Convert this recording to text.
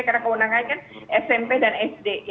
karena keundangannya kan smp dan sd